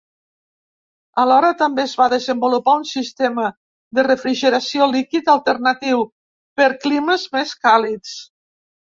Alhora també es va desenvolupar un sistema de refrigeració líquid alternatiu, per climes més càlids.